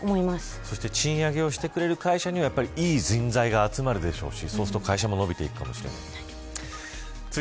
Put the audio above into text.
そして賃上げをしてくれる会社には、いい人材が集まるでしょうしそうすると会社も伸びていくかもしれない。